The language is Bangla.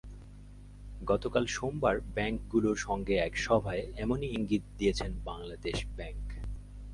গতকাল সোমবার ব্যাংকগুলোর সঙ্গে এক সভায় এমনই ইঙ্গিত দিয়েছে বাংলাদেশ ব্যাংক।